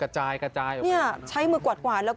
ใช่ใช่มือกวาดกวาน